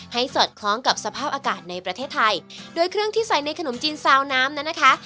สอดคล้องกับสภาพอากาศในประเทศไทยโดยเครื่องที่ใส่ในขนมจีนซาวน้ำนั้นนะคะ